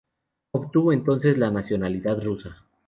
Obtuvo entonces la nacionalidad rusa.